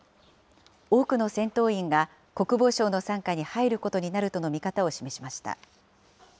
多くの戦闘員が、国防省の傘下に入ることになるとの見方を示しました。